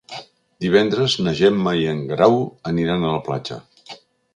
Divendres na Gemma i en Guerau aniran a la platja.